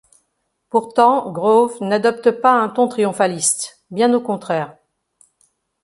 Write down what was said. Pourtant, Grove n'adopte pas un ton triomphaliste, bien au contraire.